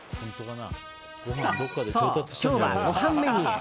そう、今日はご飯メニュー。